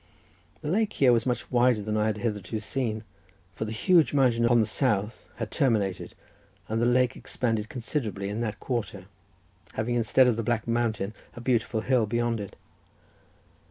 The lake here was much wider than I had hitherto seen it, for the huge mountain on the south had terminated, and the lake expanded considerably in that quarter, having instead of the black mountain a beautiful hill beyond it.